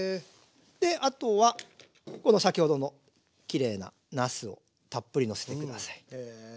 であとはこの先ほどのきれいななすをたっぷりのせて下さい。